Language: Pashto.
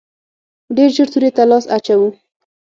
ډېر ژر تورې ته لاس اچوو.